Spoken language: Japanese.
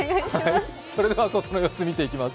それでは外の様子見ていきます。